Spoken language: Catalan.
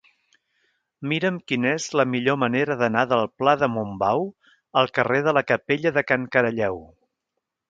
Mira'm quina és la millor manera d'anar del pla de Montbau al carrer de la Capella de Can Caralleu.